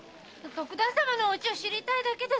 徳田様のお家を知りたいだけです。